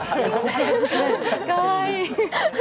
かわいい。